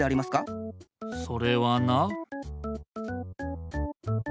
それはな。